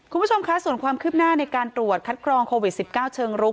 คุณผู้ชมคะส่วนความคืบหน้าในการตรวจคัดกรองโควิด๑๙เชิงรุก